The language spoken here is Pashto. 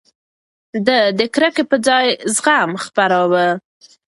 ده د کرکې پر ځای زغم خپراوه.